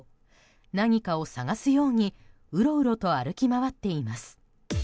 何かを探すようにうろうろと歩き回っています。